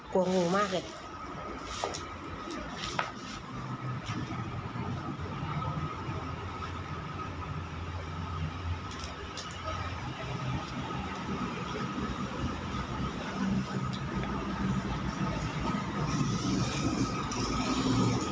กลัวงูมากเลย